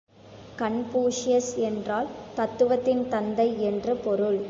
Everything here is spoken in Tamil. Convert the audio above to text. கன்பூஷ்யஸ் என்றால் தத்துவத்தின் தந்தை என்று பொருள்.